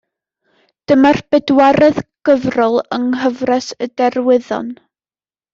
Dyma'r bedwaredd gyfrol yng nghyfres Y Derwyddon.